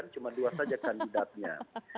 cuma dua saja kandidatnya